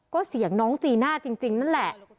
ก็เสียงน้องจีน่าจริงนั่นแหละ